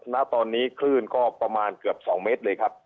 ณตอนนี้คลื่นก็ประมาณเกือบ๒เมตรเลยครับ